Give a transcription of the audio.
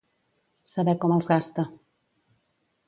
Saber com els gasta.